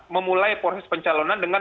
memulai proses pencalonan dengan